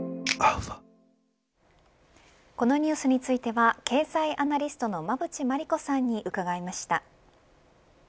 このニュースについては経済アナリストの馬渕磨理子さんに伺いました。